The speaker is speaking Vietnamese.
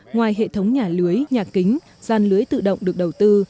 ngoài hệ thống nhà lưới nhà kính gian lưới tự động được đầu tư